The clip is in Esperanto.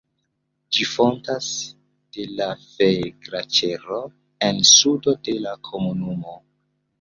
Ĝi fontas de la Fee-Glaĉero en sudo de la komunumo.